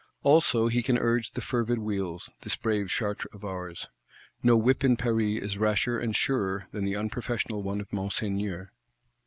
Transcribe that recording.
Also, he can urge the fervid wheels, this brave Chartres of ours; no whip in Paris is rasher and surer than the unprofessional one of Monseigneur.